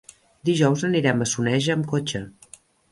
Dijous anirem a Soneja amb cotxe.